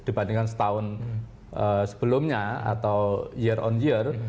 jadi dibandingkan setahun sebelumnya atau year on year